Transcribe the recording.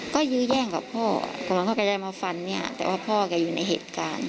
ก็ยื้อแย่งกับพ่อกำลังโค่แกแย่งมาฟันไม่หาย